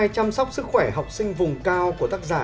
chăm sóc sức khỏe học sinh vùng cao của tác giả